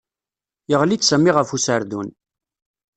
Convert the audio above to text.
Yeɣli-d Sami ɣef userdun.